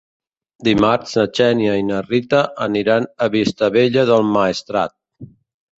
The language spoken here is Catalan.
Dimarts na Xènia i na Rita aniran a Vistabella del Maestrat.